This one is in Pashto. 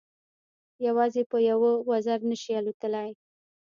یوازې په یوه وزر نه شي الوتلای.